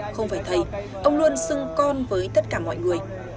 không phải thầy ông luôn xưng con với tất cả mọi người